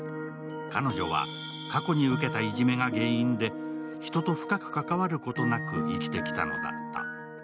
彼女は過去に受けたいじめが原因で人と深く関わることなく生きてきたのだった。